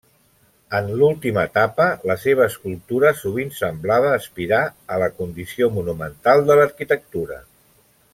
En l'última etapa, la seva escultura sovint semblava aspirar a la condició monumental de l'arquitectura.